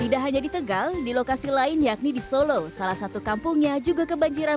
tidak hanya di tegal di lokasi lain yakni di solo salah satu kampungnya juga kebanjiran